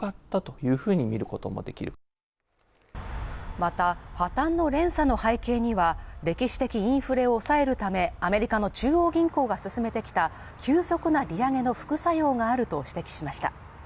また、破綻の連鎖の背景には、歴史的インフレを抑えるため、アメリカの中央銀行が進めてきた急速な利上げの副作用があると指摘しました。